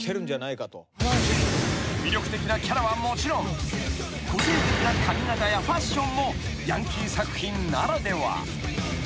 ［魅力的なキャラはもちろん個性的な髪形やファッションもヤンキー作品ならでは］